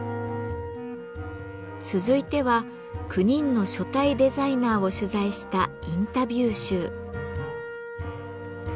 続いては９人の書体デザイナーを取材したインタビュー集。